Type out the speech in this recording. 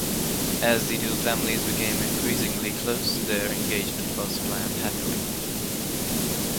As the two families became increasingly close, their engagement was planned happily.